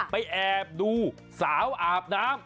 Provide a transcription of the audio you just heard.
แอบดูสาวอาบน้ำ